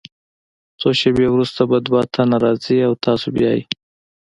څو شیبې وروسته به دوه تنه راځي او تاسو بیایي.